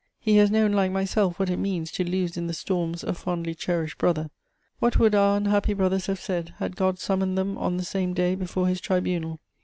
He has known, like myself, what it means to lose in the storms a fondly cherished brother. What would our unhappy brothers have said, had God summoned them on the same day before His tribunal?